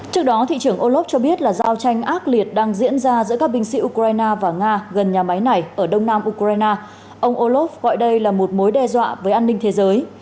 trước đó thị trưởng olof cho biết là giao tranh ác liệt đang diễn ra giữa các binh sĩ ukraine và nga gần nhà máy này ở đông nam ukraine ông olof gọi đây là một mối đe dọa với an ninh thế giới